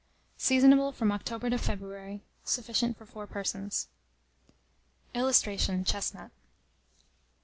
Seasonable from October to February. Sufficient for 4 persons. [Illustration: CHESTNUT.